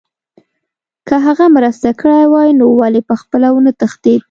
که هغه مرسته کړې وای نو ولې پخپله ونه تښتېد